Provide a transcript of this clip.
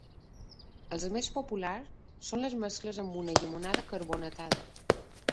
Els més populars són les mescles amb una llimonada carbonatada.